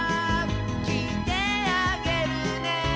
「きいてあげるね」